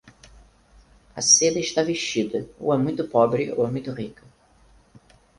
A seda está vestida, ou é muito pobre ou é muito rica.